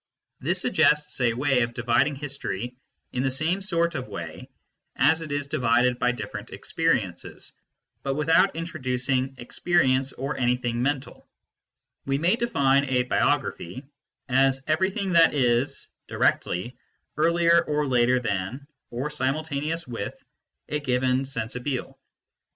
This suggests a way of dividing history in the same sort of way as it is divided by different experiences, but without introducing experience or any thing mental : we may define a " biography " as every thing that is (directly) earlier or later than, or simul taneous with, a given " sensibile."